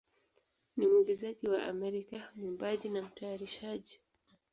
ni mwigizaji wa Amerika, mwimbaji, na mtayarishaji.